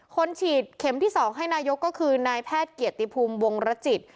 ฉีดเข็มที่๒ให้นายกก็คือนายแพทย์เกียรติภูมิวงรจิต